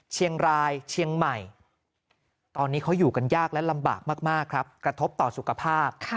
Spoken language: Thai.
เชียงรายเชียงใหม่ตอนนี้เขาอยู่กันยากและลำบากมากครับกระทบต่อสุขภาพ